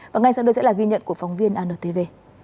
và ngay sau đây sẽ là ghi nhận của phóng viên antv